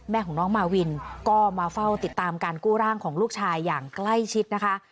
แม่ของน้องมาวินก็มาเฝ้าติดตามการกู้ร่างของลูกชายอย่างใกล้ชิดนะคะ